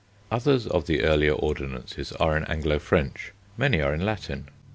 Others of the earlier ordinances are in Anglo French; many are in Latin.